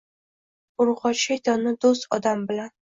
Urgochi shaytonni dust odam bilan